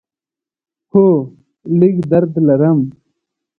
هو، لږ درد لرم